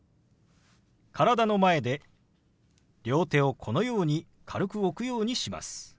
体の前で両手をこのように軽く置くようにします。